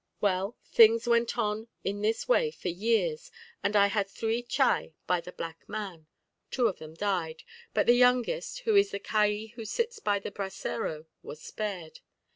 "Well, things went on in this way for years, and I had three chai by the black man; two of them died, but the youngest, who is the Calli who sits by the brasero, was spared.